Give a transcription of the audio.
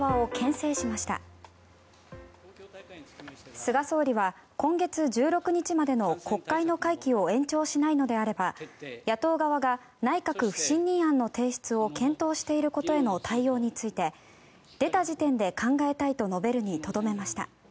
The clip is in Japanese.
菅総理は今月１６日までの国会の会期を延長しないのであれば野党側が内閣不信任案の提出を検討していることへの対応について出た時点で考えたいと述べるにとどめました。